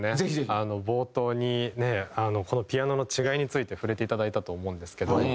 このピアノの違いについて触れていただいたと思うんですけど。